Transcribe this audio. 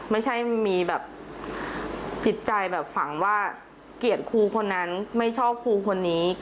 ไม่ใช่มีแบบจิตใจแบบฝังว่าเกลียดครูคนนั้นไม่ชอบครูคนนี้